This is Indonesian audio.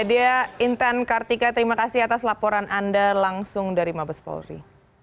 dia intan kartika terima kasih atas laporan anda langsung dari mabes polri